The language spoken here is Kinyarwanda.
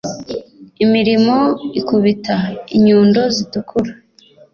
irimo ikubita inyundo zitukura